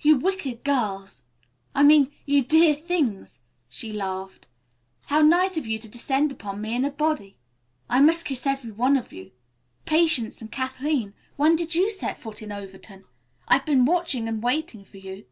"You wicked girls! I mean, you dear things," she laughed. "How nice of you to descend upon me in a body. I must kiss every one of you. Patience and Kathleen, when did you set foot in Overton? I've been watching and waiting for you.